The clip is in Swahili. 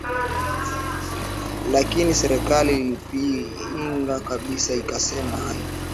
lakini serikali ilipinga kabisa ikasema haita